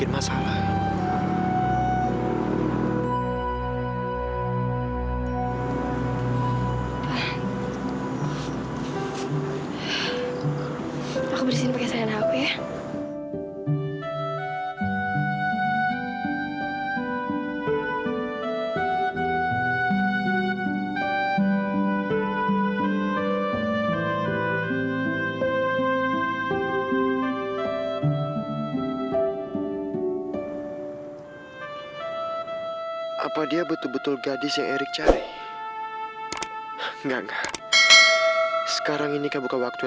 mama kamu tinggal semangku